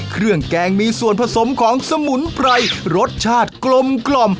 แกงมีส่วนผสมของสมุนไพรรสชาติกลมกล่อม